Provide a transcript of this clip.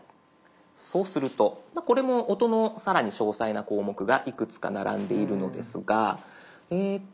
そうするとこれも音の更に詳細な項目がいくつか並んでいるのですがえっと